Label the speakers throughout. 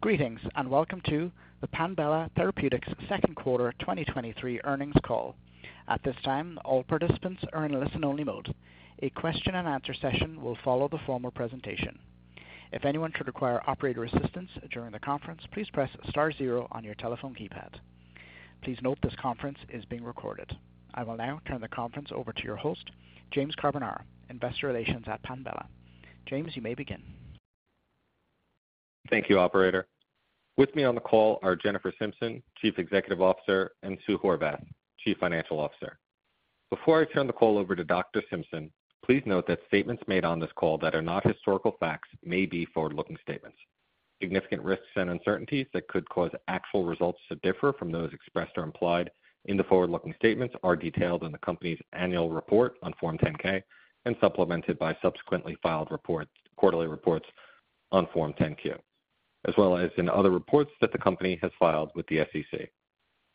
Speaker 1: Greetings, and welcome to the Panbela Therapeutics Second Quarter 2023 Earnings Call. At this time, all participants are in listen-only mode. A question-and-answer session will follow the formal presentation. If anyone should require operator assistance during the conference, please press star zero on your telephone keypad. Please note, this conference is being recorded. I will now turn the conference over to your host, James Carbonara, Investor Relations at Panbela. James, you may begin.
Speaker 2: Thank you, operator. With me on the call are Jennifer Simpson, Chief Executive Officer, and Sue Horvath, Chief Financial Officer. Before I turn the call over to Dr. Simpson, please note that statements made on this call that are not historical facts may be forward-looking statements. Significant risks and uncertainties that could cause actual results to differ from those expressed or implied in the forward-looking statements are detailed in the company's annual report on Form 10-K and supplemented by subsequently filed reports, quarterly reports on Form 10-Q, as well as in other reports that the company has filed with the SEC.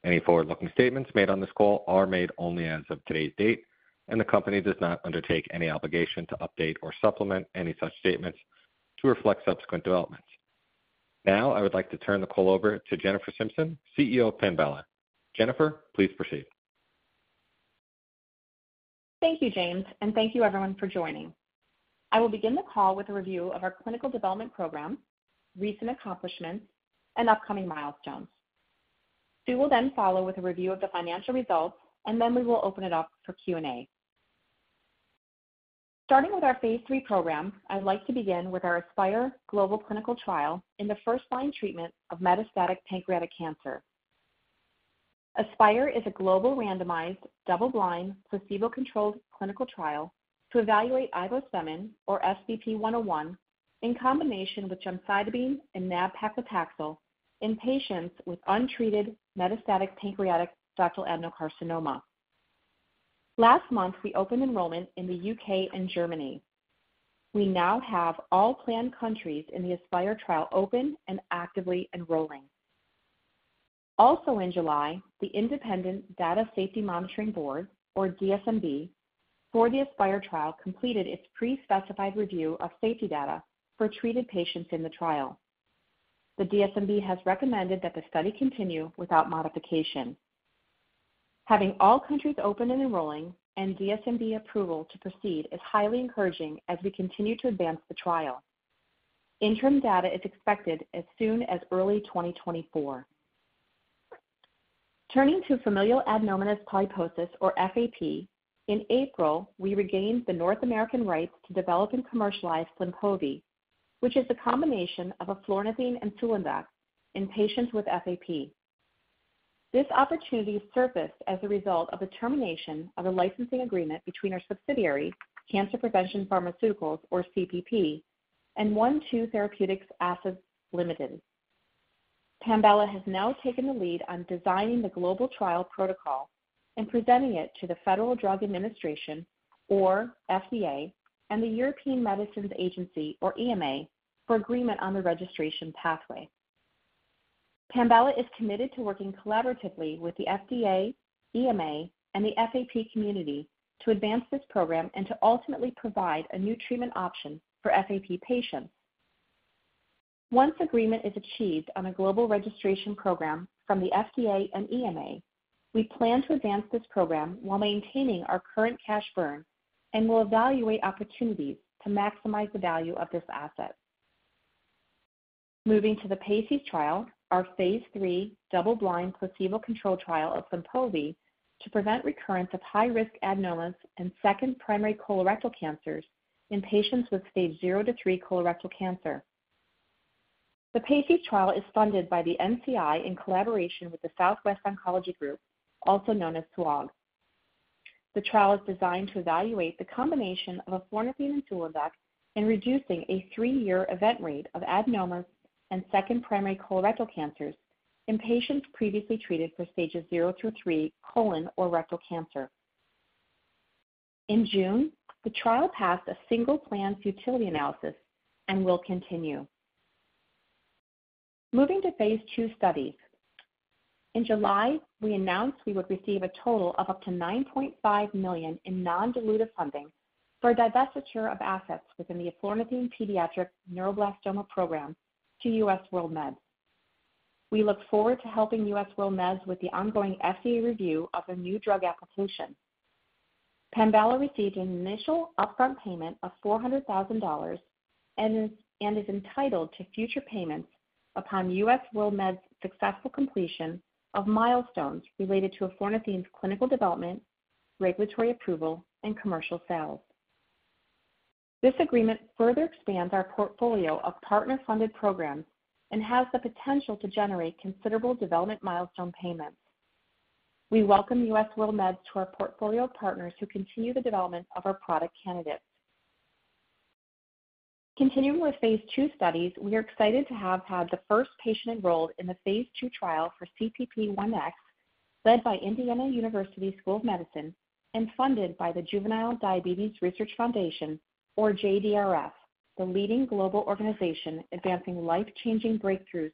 Speaker 2: Any forward-looking statements made on this call are made only as of today's date, and the company does not undertake any obligation to update or supplement any such statements to reflect subsequent developments. I would like to turn the call over to Jennifer Simpson, CEO of Panbela. Jennifer, please proceed.
Speaker 3: Thank you, James, and thank you everyone for joining. I will begin the call with a review of our clinical development program, recent accomplishments, and upcoming milestones. Sue will then follow with a review of the financial results. We will open it up for Q&A. Starting with our phase III program, I'd like to begin with our ASPIRE global clinical trial in the first-line treatment of metastatic pancreatic cancer. ASPIRE is a global, randomized, double-blind, placebo-controlled clinical trial to evaluate ivospemin, or SBP-101, in combination with gemcitabine and nab-paclitaxel in patients with untreated metastatic pancreatic ductal adenocarcinoma. Last month, we opened enrollment in the U.K. and Germany. We now have all planned countries in the ASPIRE trial open and actively enrolling. In July, the independent Data Safety Monitoring Board, or DSMB, for the ASPIRE trial completed its pre-specified review of safety data for treated patients in the trial. The DSMB has recommended that the study continue without modification. Having all countries open and enrolling and DSMB approval to proceed is highly encouraging as we continue to advance the trial. Interim data is expected as soon as early 2024. Turning to familial adenomatous polyposis, or FAP, in April, we regained the North American rights to develop and commercialize Flynpovi, which is the combination of eflornithine and sulindac in patients with FAP. This opportunity surfaced as a result of a termination of a licensing agreement between our subsidiary, Cancer Prevention Pharmaceuticals, or CPP, and One-Two Therapeutics Assets Limited. Panbela has now taken the lead on designing the global trial protocol and presenting it to the Food and Drug Administration, or FDA, and the European Medicines Agency, or EMA, for agreement on the registration pathway. Panbela is committed to working collaboratively with the FDA, EMA, and the FAP community to advance this program and to ultimately provide a new treatment option for FAP patients. Once agreement is achieved on a global registration program from the FDA and EMA, we plan to advance this program while maintaining our current cash burn and will evaluate opportunities to maximize the value of this asset. Moving to the PACES trial, our phase III double-blind, placebo-controlled trial of Flynpovi to prevent recurrence of high-risk adenomas and second primary colorectal cancers in patients with Stage zero to three colorectal cancer. The PACES trial is funded by the NCI in collaboration with the Southwest Oncology Group, also known as SWOG. The trial is designed to evaluate the combination of eflornithine and sulindac in reducing a three-year event rate of adenomas and second primary colorectal cancers in patients previously treated for Stages zero through three colon or rectal cancer. In June, the trial passed a single-plan futility analysis and will continue. Moving to Phase II studies. In July, we announced we would receive a total of up to $9.5 million in non-dilutive funding for divestiture of assets within the eflornithine pediatric neuroblastoma program to US WorldMeds. We look forward to helping US WorldMeds with the ongoing FDA review of a new drug application. Panbela received an initial upfront payment of $400,000 and is entitled to future payments upon US WorldMeds' successful completion of milestones related to eflornithine's clinical development, regulatory approval, and commercial sales. This agreement further expands our portfolio of partner-funded programs and has the potential to generate considerable development milestone payments. We welcome US WorldMeds to our portfolio of partners who continue the development of our product candidates. Continuing with phase II studies, we are excited to have had the first patient enrolled in the phase II trial for CPP-1X, led by Indiana University School of Medicine and funded by the Juvenile Diabetes Research Foundation, or JDRF, the leading global organization advancing life-changing breakthroughs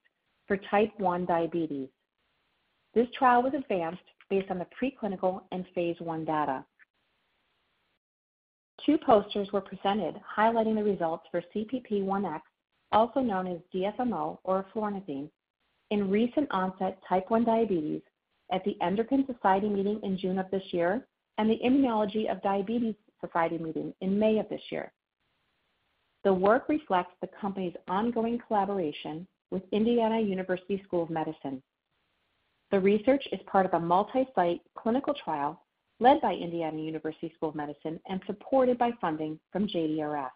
Speaker 3: for type 1 diabetes. This trial was advanced based on the preclinical and phase I data. Two posters were presented highlighting the results for CPP-1X, also known as DFMO or eflornithine, in recent onset type 1 diabetes at the Endocrine Society meeting in June of this year and the Immunology of Diabetes Society meeting in May of this year. The work reflects the company's ongoing collaboration with Indiana University School of Medicine. The research is part of a multi-site clinical trial led by Indiana University School of Medicine and supported by funding from JDRF.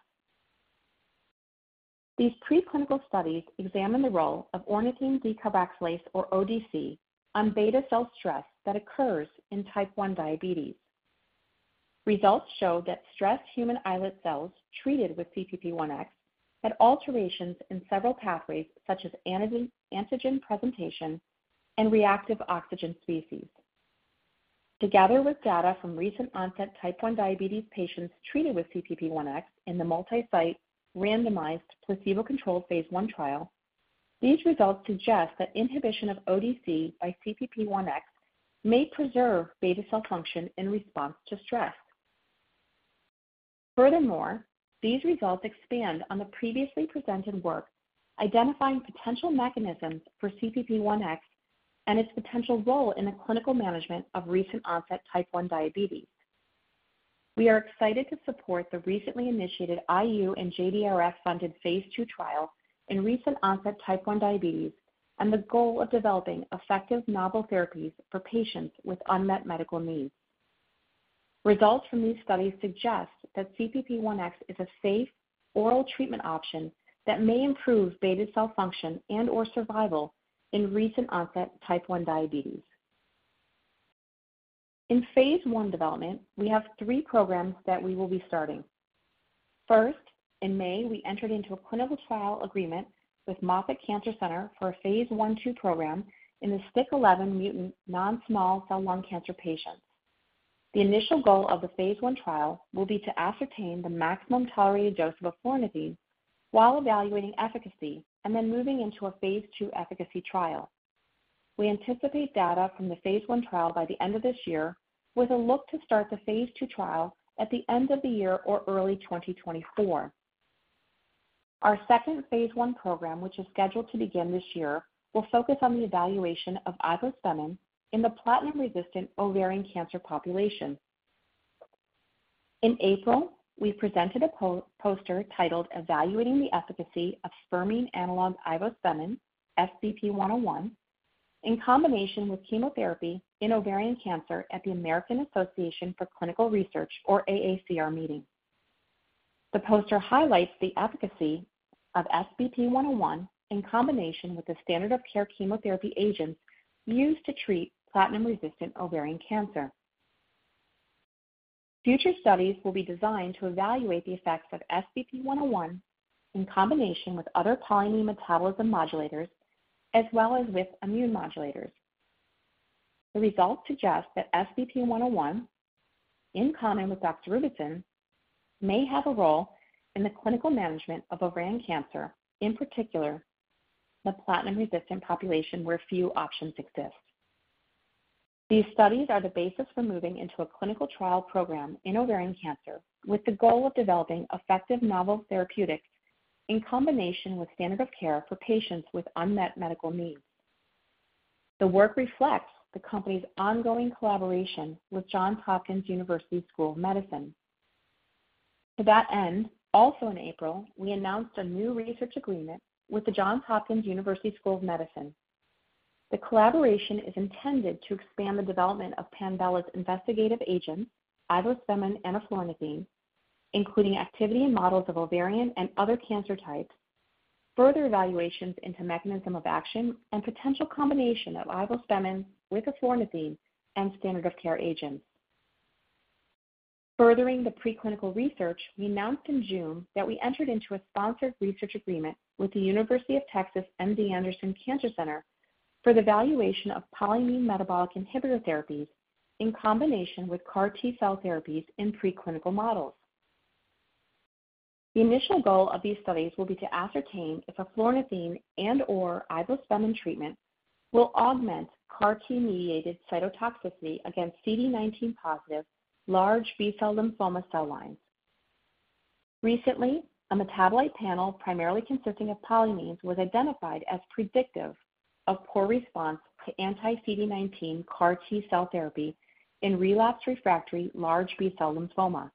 Speaker 3: These preclinical studies examine the role of ornithine decarboxylase, or ODC, on beta cell stress that occurs in type 1 diabetes. Results show that stressed human islet cells treated with CPP-1X had alterations in several pathways, such as antigen, antigen presentation and reactive oxygen species. Together with data from recent onset type 1 diabetes patients treated with CPP-1X in the multi-site randomized placebo-controlled phase I trial, these results suggest that inhibition of ODC by CPP-1X may preserve beta cell function in response to stress. Furthermore, these results expand on the previously presented work, identifying potential mechanisms for CPP-1X and its potential role in the clinical management of recent onset type 1 diabetes. We are excited to support the recently initiated IU and JDRF-funded phase II trial in recent onset type 1 diabetes and the goal of developing effective novel therapies for patients with unmet medical needs. Results from these studies suggest that CPP-1X is a safe oral treatment option that may improve beta cell function and/or survival in recent onset type 1 diabetes. In phase I development, we have three programs that we will be starting. First, in May, we entered into a clinical trial agreement with Moffitt Cancer Center for a phase I/II program in the STK11 mutant non-small cell lung cancer patients. The initial goal of the phase I trial will be to ascertain the maximum tolerated dose of eflornithine while evaluating efficacy and then moving into a phase II efficacy trial. We anticipate data from the phase I trial by the end of this year, with a look to start the phase II trial at the end of the year or early 2024. Our second phase I program, which is scheduled to begin this year, will focus on the evaluation of ivospemin in the platinum-resistant ovarian cancer population. In April, we presented a poster titled, "Evaluating the Efficacy of spermine analogue ivospemin, SBP-101, in Combination with Chemotherapy in Ovarian Cancer," at the American Association for Cancer Research, or AACR meeting. The poster highlights the efficacy of SBP-101 in combination with the standard of care chemotherapy agents used to treat platinum-resistant ovarian cancer. Future studies will be designed to evaluate the effects of SBP-101 in combination with other polyamine metabolism modulators, as well as with immune modulators. The results suggest that SBP-101, in combination with docetaxel, may have a role in the clinical management of ovarian cancer, in particular, the platinum-resistant population, where few options exist. These studies are the basis for moving into a clinical trial program in ovarian cancer, with the goal of developing effective novel therapeutics in combination with standard of care for patients with unmet medical needs. The work reflects the company's ongoing collaboration with Johns Hopkins University School of Medicine. To that end, also in April, we announced a new research agreement with the Johns Hopkins University School of Medicine. The collaboration is intended to expand the development of Panbela's investigative agents, ivospemin and eflornithine, including activity in models of ovarian and other cancer types, further evaluations into mechanism of action, and potential combination of ivospemin with eflornithine and standard of care agents. Furthering the preclinical research, we announced in June that we entered into a sponsored research agreement with The University of Texas MD Anderson Cancer Center for the evaluation of polyamine metabolic inhibitor therapies in combination with CAR-T-cell therapies in preclinical models. The initial goal of these studies will be to ascertain if eflornithine and/or ivospemin treatment will augment CAR-T-mediated cytotoxicity against CD19-positive large B-cell lymphoma cell lines. Recently, a metabolite panel primarily consisting of polyamines was identified as predictive of poor response to anti-CD19 CAR-T-cell therapy in relapsed/refractory large B-cell lymphoma.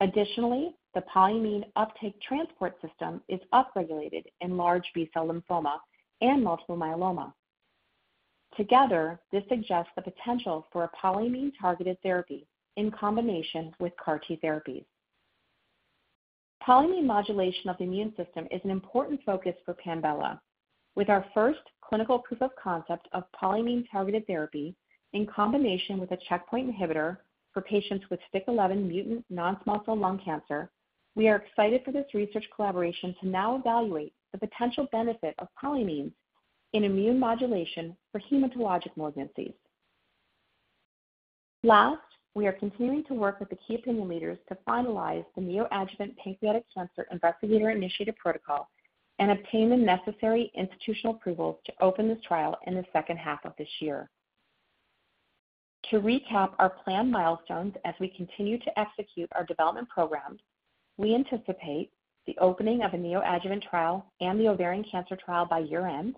Speaker 3: Additionally, the polyamine uptake transport system is upregulated in large B-cell lymphoma and multiple myeloma. Together, this suggests the potential for a polyamine-targeted therapy in combination with CAR-T therapies. Polyamine modulation of the immune system is an important focus for Panbela. With our first clinical proof of concept of polyamine-targeted therapy in combination with a checkpoint inhibitor for patients with STK11 mutant non-small cell lung cancer, we are excited for this research collaboration to now evaluate the potential benefit of polyamines in immune modulation for hematologic malignancies. Last, we are continuing to work with the key opinion leaders to finalize the neoadjuvant pancreatic cancer investigator initiative protocol and obtain the necessary institutional approvals to open this trial in the second half of this year. To recap our planned milestones as we continue to execute our development programs, we anticipate the opening of a neoadjuvant trial and the ovarian cancer trial by year-end.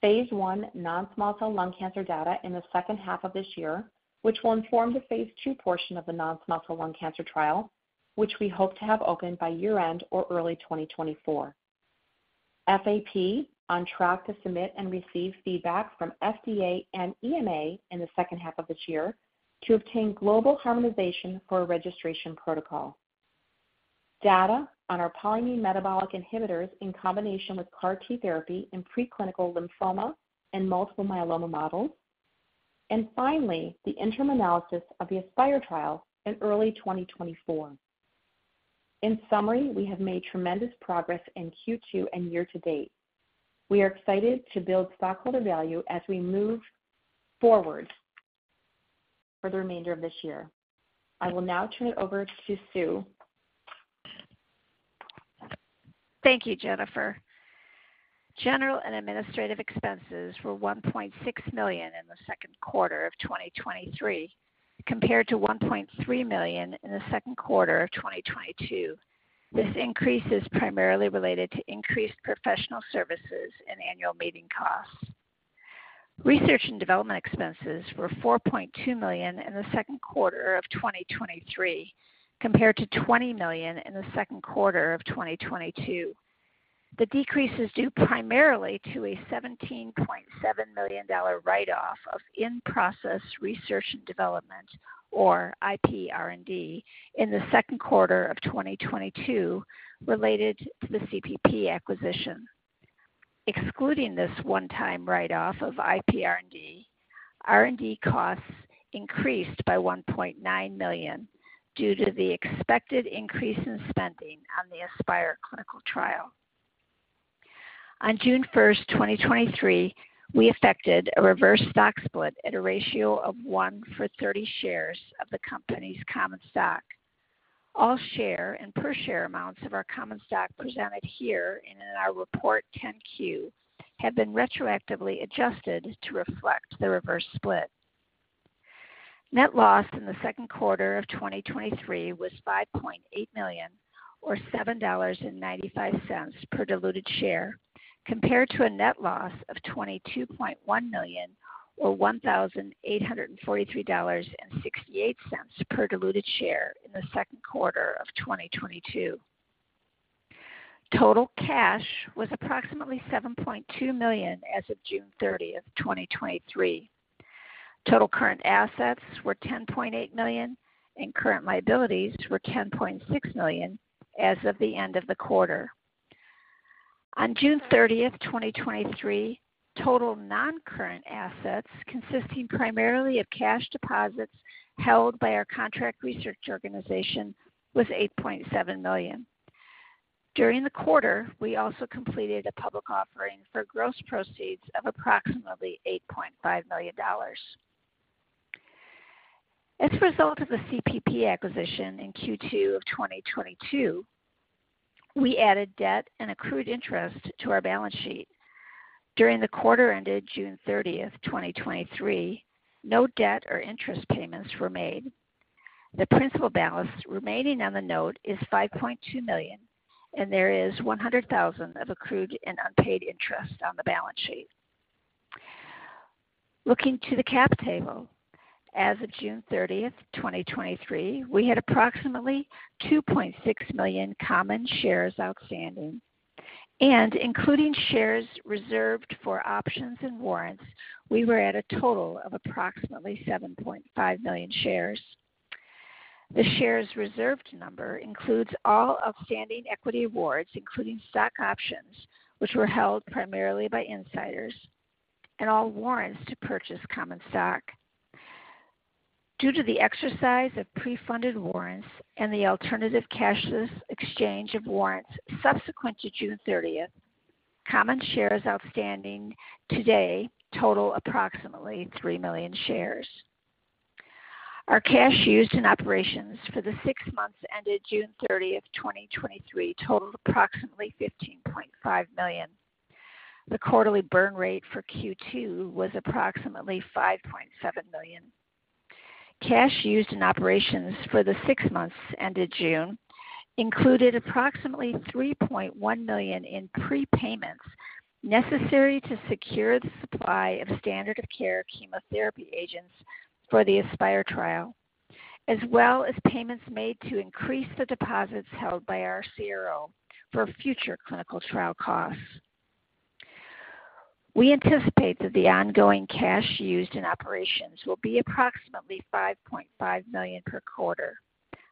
Speaker 3: Phase I non-small cell lung cancer data in the second half of this year, which will inform the phase II portion of the non-small cell lung cancer trial, which we hope to have open by year-end or early 2024. FAP on track to submit and receive feedback from FDA and EMA in the second half of this year to obtain global harmonization for a registration protocol. Data on our polyamine metabolic inhibitors in combination with CAR-T therapy in preclinical lymphoma and multiple myeloma models. Finally, the interim analysis of the ASPIRE trial in early 2024. In summary, we have made tremendous progress in Q2 and year-to-date. We are excited to build stockholder value as we move forward for the remainder of this year. I will now turn it over to Sue.
Speaker 4: Thank you, Jennifer. General and administrative expenses were $1.6 million in the second quarter of 2023, compared to $1.3 million in the second quarter of 2022. This increase is primarily related to increased professional services and annual meeting costs. Research and development expenses were $4.2 million in the second quarter of 2023, compared to $20 million in the second quarter of 2022. The decrease is due primarily to a $17.7 million write-off of in-process research and development, or IPR&D, in the second quarter of 2022 related to the CPP acquisition. Excluding this one-time write-off of IPR&D, R&D costs increased by $1.9 million due to the expected increase in spending on the ASPIRE clinical trial. On June 1st, 2023, we affected a reverse stock split at a ratio of 1 for 30 shares of the company's common stock. All share and per share amounts of our common stock presented here and in our report 10-Q, have been retroactively adjusted to reflect the reverse split. Net loss in the second quarter of 2023 was $5.8 million, or $7.95 per diluted share, compared to a net loss of $22.1 million, or $1,843.68 per diluted share in the second quarter of 2022. Total cash was approximately $7.2 million as of June 30th, 2023. Total current assets were $10.8 million, and current liabilities were $10.6 million as of the end of the quarter. On June thirtieth, 2023, total non-current assets, consisting primarily of cash deposits held by our contract research organization, was $8.7 million. During the quarter, we also completed a public offering for gross proceeds of approximately $8.5 million. As a result of the CPP acquisition in Q2 of 2022, we added debt and accrued interest to our balance sheet. During the quarter ended June thirtieth, 2023, no debt or interest payments were made. The principal balance remaining on the note is $5.2 million, and there is $100,000 of accrued and unpaid interest on the balance sheet. Looking to the cap table, as of June thirtieth, 2023, we had approximately 2.6 million common shares outstanding, and including shares reserved for options and warrants, we were at a total of approximately 7.5 million shares. The shares reserved number includes all outstanding equity awards, including stock options, which were held primarily by insiders, and all warrants to purchase common stock. Due to the exercise of pre-funded warrants and the alternative cashless exchange of warrants subsequent to June thirtieth, common shares outstanding today total approximately 3 million shares. Our cash used in operations for the six months ended June thirtieth, 2023, totaled approximately $15.5 million. The quarterly burn rate for Q2 was approximately $5.7 million. Cash used in operations for the six months ended June included approximately $3.1 million in prepayments necessary to secure the supply of standard of care chemotherapy agents for the ASPIRE trial, as well as payments made to increase the deposits held by our CRO for future clinical trial costs. We anticipate that the ongoing cash used in operations will be approximately $5.5 million per quarter.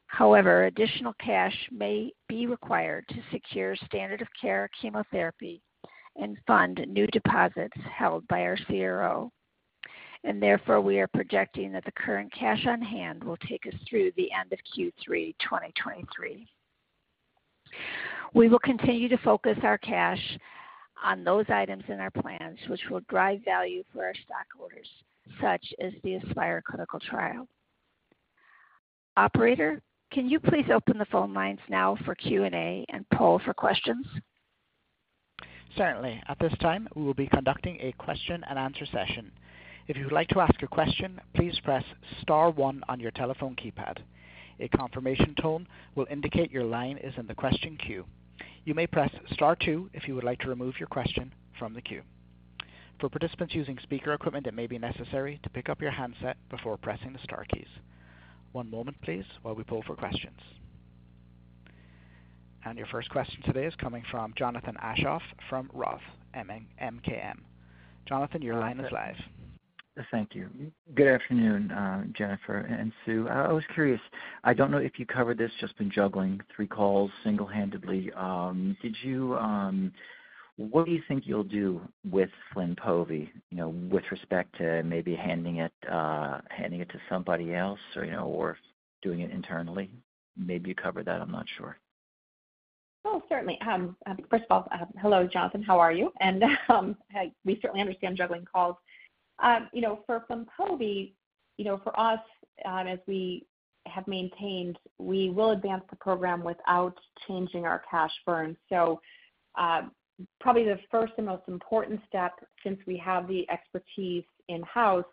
Speaker 4: However, additional cash may be required to secure standard of care chemotherapy and fund new deposits held by our CRO, and therefore, we are projecting that the current cash on hand will take us through the end of Q3, 2023. We will continue to focus our cash on those items in our plans, which will drive value for our stockholders, such as the ASPIRE clinical trial. Operator, can you please open the phone lines now for Q&A and poll for questions?
Speaker 1: Certainly. At this time, we will be conducting a question-and-answer session. If you'd like to ask a question, please press star one on your telephone keypad. A confirmation tone will indicate your line is in the question queue. You may press star two if you would like to remove your question from the queue. For participants using speaker equipment, it may be necessary to pick up your handset before pressing the star keys. One moment please, while we poll for questions. Your first question today is coming from Jonathan Aschoff from Roth MKM. Jonathan, your line is live.
Speaker 5: Thank you. Good afternoon, Jennifer and Sue. I was curious, I don't know if you covered this, just been juggling three calls single-handedly. Did you, what do you think you'll do with Flynpovi? You know, with respect to maybe handing it, handing it to somebody else or, you know, or doing it internally? Maybe you covered that, I'm not sure.
Speaker 3: Oh, certainly. first of all, hello, Jonathan. How are you? We certainly understand juggling calls. you know, for Flynpovi, you know, for us, as we have maintained, we will advance the program without changing our cash burn. Probably the first and most important step, since we have the expertise in-house,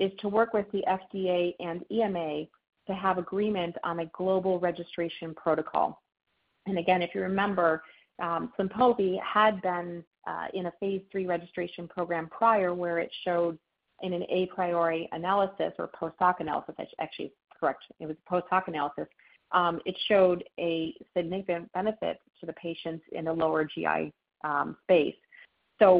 Speaker 3: is to work with the FDA and EMA to have agreement on a global registration protocol. Again, if you remember, Flynpovi had been in a phase three registration program prior, where it showed in an a priori analysis or post hoc analysis. Actually, correct, it was post hoc analysis. It showed a significant benefit to the patients in the lower GI space.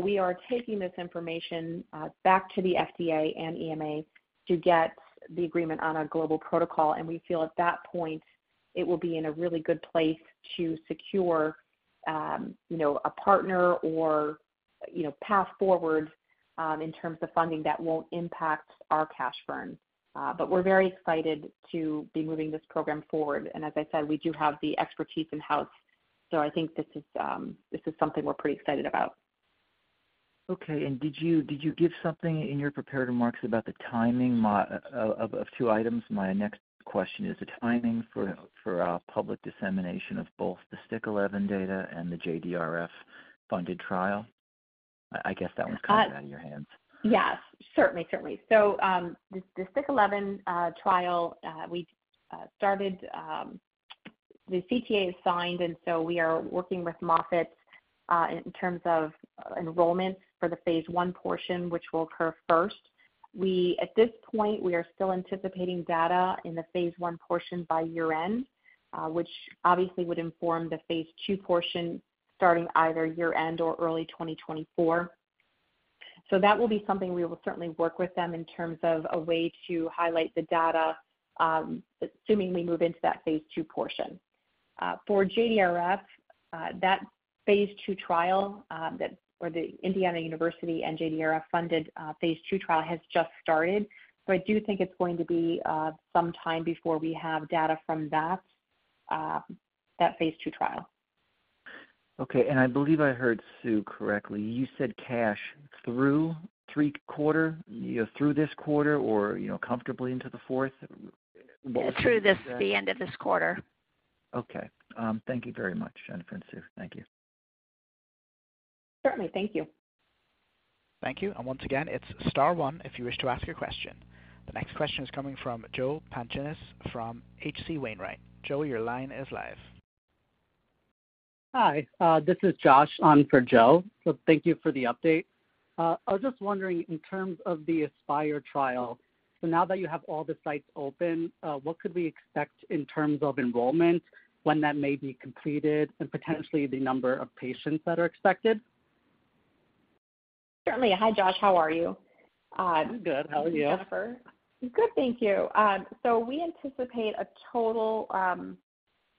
Speaker 3: We are taking this information back to the FDA and EMA to get the agreement on a global protocol, and we feel at that point it will be in a really good place to secure, you know, a partner or, you know, path forward, in terms of funding that won't impact our cash burn. We're very excited to be moving this program forward. As I said, we do have the expertise in-house. I think this is, this is something we're pretty excited about.
Speaker 5: Okay. Did you, did you give something in your prepared remarks about the timing Of, of two items? My next question is the timing for, for public dissemination of both the STK11 data and the JDRF-funded trial. I, I guess that one's out of your hands.
Speaker 3: Yes, certainly, certainly. The STK11 trial, we started, the CTA is signed, and so we are working with Moffitt in terms of enrollment for the phase I portion, which will occur first. We, at this point, we are still anticipating data in the phase I portion by year-end, which obviously would inform the phase II portion starting either year-end or early 2024. That will be something we will certainly work with them in terms of a way to highlight the data, assuming we move into that phase II portion. For JDRF, that phase II trial, that, or the Indiana University and JDRF-funded, phase II trial has just started, so I do think it's going to be some time before we have data from that, that phase II trial.
Speaker 5: Okay, I believe I heard Sue correctly. You said cash through three quarter, you know, through this quarter or, you know, comfortably into the fourth?
Speaker 4: Through this, the end of this quarter.
Speaker 5: Okay. Thank you very much, Jennifer and Sue. Thank you.
Speaker 3: Certainly. Thank you.
Speaker 1: Thank you. Once again, it's star one if you wish to ask a question. The next question is coming from Joseph Pantginis from HC Wainwright. Joe, your line is live.
Speaker 6: Hi, this is Josh on for Joe. Thank you for the update. I was just wondering, in terms of the ASPIRE trial, so now that you have all the sites open, what could we expect in terms of enrollment, when that may be completed, and potentially the number of patients that are expected?
Speaker 3: Certainly. Hi, Josh, how are you?
Speaker 6: I'm good. How are you, Jennifer?
Speaker 3: Good, thank you. We anticipate a total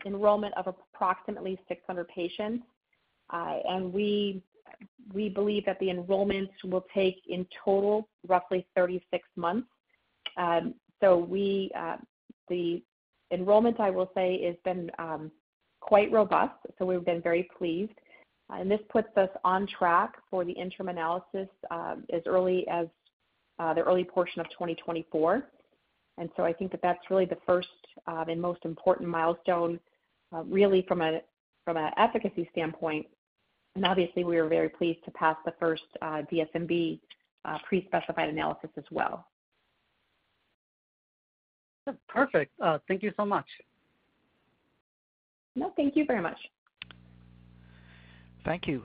Speaker 3: enrollment of approximately 600 patients. We, we believe that the enrollments will take, in total, roughly 36 months. We, the enrollment, I will say, has been quite robust, so we've been very pleased. This puts us on track for the interim analysis as early as the early portion of 2024. I think that that's really the first and most important milestone really from a, from an efficacy standpoint. Obviously, we are very pleased to pass the first DSMB prespecified analysis as well.
Speaker 6: Perfect. Thank you so much.
Speaker 3: No, thank you very much.
Speaker 1: Thank you.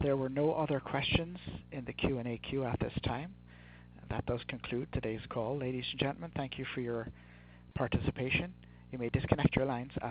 Speaker 1: There were no other questions in the Q&A queue at this time. That does conclude today's call. Ladies and gentlemen, thank you for your participation. You may disconnect your lines at this time.